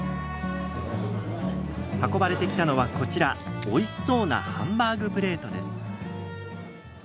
運ばれてきたのはこちら、おいしそうなハンバーグプレートです。